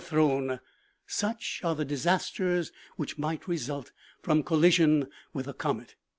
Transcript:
thrown ; such are the disasters which might result from collision with a comet."